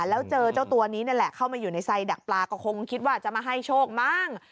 แล้วเจอเจ้าตัวนี้นั่นแหละเข้ามาอยู่ในไซดักปลาก็คงคิดว่าจะมาให้โชคมั้ง